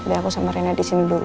biar aku sama rina disini dulu